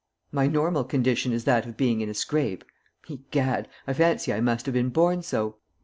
"My normal condition is that of being in a scrape. Egad! I fancy I must have been born so.